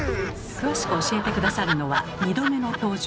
詳しく教えて下さるのは２度目の登場